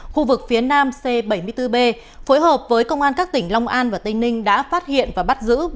khu vực phía nam c bảy mươi bốn b phối hợp với công an các tỉnh long an và tây ninh đã phát hiện và bắt giữ